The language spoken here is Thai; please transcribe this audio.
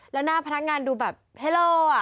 แล้วหน้าพนักงานดูแบบเฮโลอ่ะ